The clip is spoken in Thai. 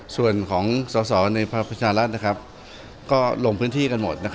ส่วนของสาวในพระพุทธชาติรัฐก็ลงพื้นที่กันหมด